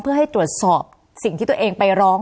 เพื่อให้ตรวจสอบสิ่งที่ตัวเองไปร้อง